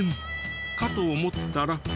かと思ったら。